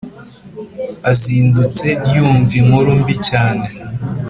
Azindutse yumva inkurumbi cyane